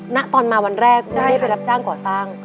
ณตอนมาวันแรกไม่ได้ไปรับจ้างก่อสร้าง